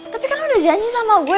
tapi kan udah janji sama gue